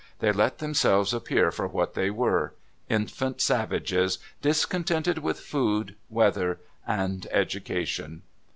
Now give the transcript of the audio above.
They let themselves appear for what they were infant savages discontented with food, weather and education.